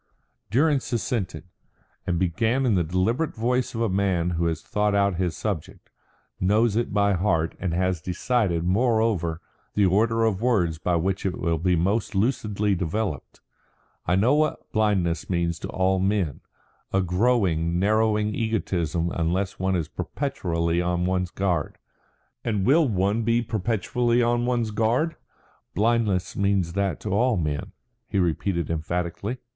Durrance assented, and began in the deliberate voice of a man who has thought out his subject, knows it by heart, and has decided, moreover, the order of words by which it will be most lucidly developed. "I know what blindness means to all men a growing, narrowing egotism unless one is perpetually on one's guard. And will one be perpetually on one's guard? Blindness means that to all men," he repeated emphatically.